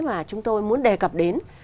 mà chúng tôi muốn đề cập đến